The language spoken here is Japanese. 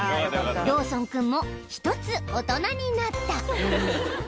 ［ドーソン君もひとつ大人になった］